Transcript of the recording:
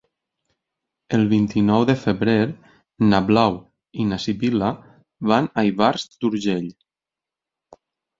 El vint-i-nou de febrer na Blau i na Sibil·la van a Ivars d'Urgell.